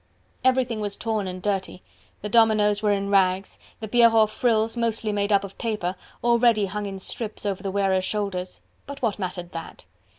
Everything was torn and dirty, the dominoes were in rags, the Pierrot frills, mostly made up of paper, already hung in strips over the wearers' shoulders. But what mattered that?